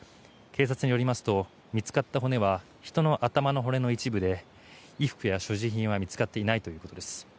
警察によりますと見つかった骨は人の頭の骨の一部で衣服や所持品は見つかっていないということです。